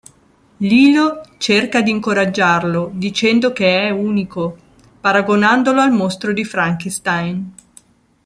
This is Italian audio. Lilo cerca di incoraggiarlo dicendo che è unico, paragonandolo al mostro di Frankenstein.